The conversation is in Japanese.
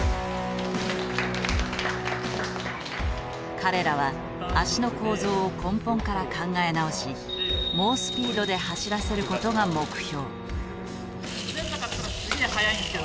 彼らは足の構造を根本から考え直し猛スピードで走らせることが目標。